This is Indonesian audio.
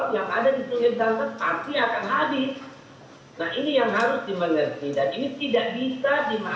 yang seperti ini